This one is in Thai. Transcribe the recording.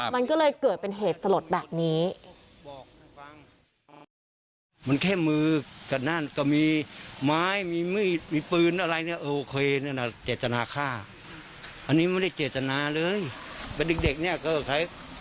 มันก็เลยเกิดเป็นเหตุสลดแบบนี้